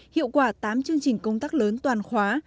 hiệu quả tám chương trình công tác lớn toàn khóa